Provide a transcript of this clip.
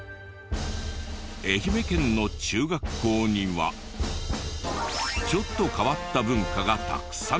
愛媛県の中学校にはちょっと変わった文化がたくさん。